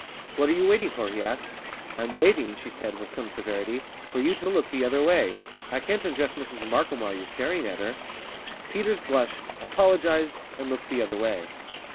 "What are you waiting for?" he asked. "I'm waiting," she said, with some severity, "for you to look the other way. I can't undress Mrs Markham while you're staring at her." Peters blushed, apologised, and looked the other way.